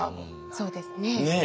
そうですね。